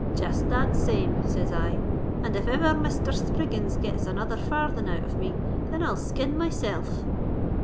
—'Jest that same,' says I; '_and if ever Misther Spriggins gets another farthing out of me, then I'll skin myself!